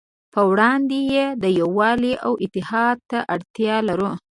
پروړاندې یې يووالي او اتحاد ته اړتیا لرو.